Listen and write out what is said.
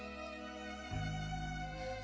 sudah ratusan kali dia menolak ibu